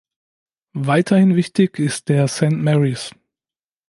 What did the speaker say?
Weiterhin wichtig ist der Saint Mary’s.